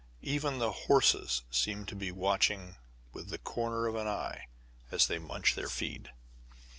Even the horses seem to be watching with the corner of an eye as they munch their feed.